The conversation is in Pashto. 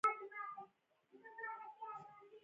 شتمنۍ یې د کریموف کورنۍ ته په لاس ورغلې.